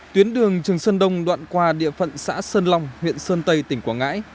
tuyến đường trường sơn đông đoạn qua địa phận xã sơn long huyện sơn tây tỉnh quảng ngãi